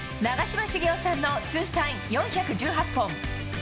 長嶋茂雄さんの通算４１８本